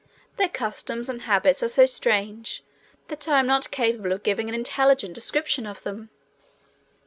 Their customs and habits are so strange that I am not capable of giving an intelligent description of them.